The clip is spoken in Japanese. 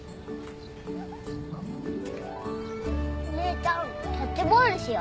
お姉ちゃんキャッチボールしよう。